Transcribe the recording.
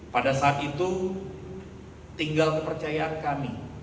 pada saat itu tinggal kepercayaan kami